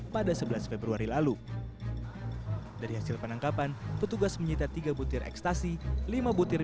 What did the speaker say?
pada sebelas februari lalu dari hasil penangkapan petugas menyita tiga butir ekstasi lima butir